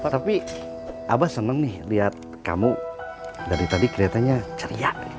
tapi abah seneng nih liat kamu dari tadi keliatannya ceria